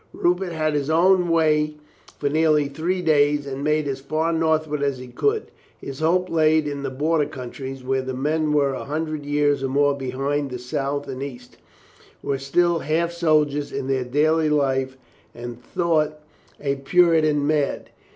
Rupert had his own way for nearly three days and made as far northward as he could. His hope lay in the border counties, where the men were a hundred years or more behind the south and east, were still half soldiers in their daily life and thought THE KING TURNS 321 a Puritan mad.